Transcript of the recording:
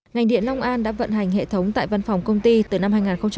ngành điện long an đã vận hành hệ thống tại văn phòng công ty từ năm hai nghìn một mươi